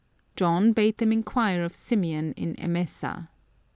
John bade them inquire of Symeon in Emesa.